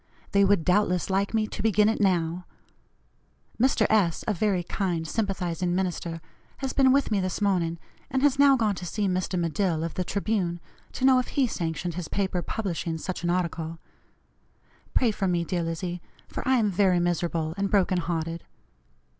They would doubtless like me to begin it now. Mr. S., a very kind, sympathizing minister, has been with me this morning, and has now gone to see Mr. Medill, of the Tribune, to know if he sanctioned his paper publishing such an article. Pray for me, dear Lizzie, for I am very miserable and broken hearted.